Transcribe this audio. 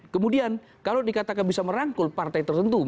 kemudian kalau dikatakan bisa merangkul partai tertentu